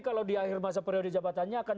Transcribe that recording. kalau di akhir masa periode jabatannya akan